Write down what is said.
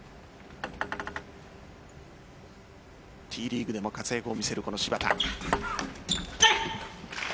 Ｔリーグでも活躍を見せるこの芝田。